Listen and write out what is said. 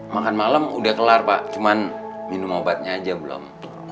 makan malam udah kelar pak cuman minum obatnya aja belum